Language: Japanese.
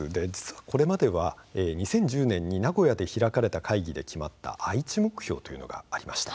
これまでは２０１０年に名古屋で開かれた会議で決まった愛知目標というものがありました。